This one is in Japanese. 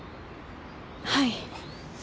はい。